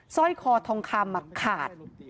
สร้อยคอทองคำขาด